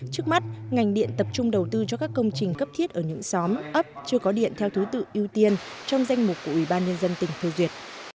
trước mắt ngành điện tập trung đầu tư cho các công trình cấp thiết ở những xóm ấp chưa có điện theo thứ tự ưu tiên trong danh mục của ủy ban nhân dân tỉnh phê duyệt